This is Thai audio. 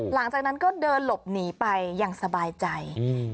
หลังจากนั้นก็เดินหลบหนีไปอย่างสบายใจ